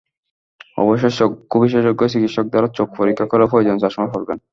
অবশ্যই চক্ষু বিশেষজ্ঞ চিকিৎসক দ্বারা চোখ পরীক্ষা করে প্রয়োজনীয় চশমা পরবেন।